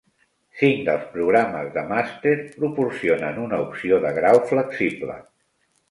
Cinc dels programes de màster proporcionen una opció de grau flexible.